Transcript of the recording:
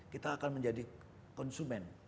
kita akan menjadi konsumen